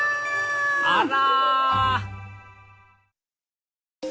あら！